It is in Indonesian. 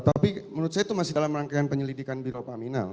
tapi menurut saya itu masih dalam rangkaian penyelidikan biropaminal